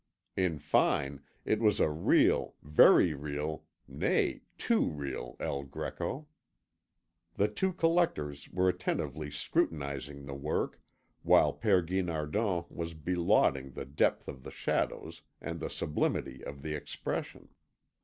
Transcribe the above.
In fine it was a real, very real, nay, too real El Greco. The two collectors were attentively scrutinizing the work, while Père Guinardon was belauding the depth of the shadows and the sublimity of the expression.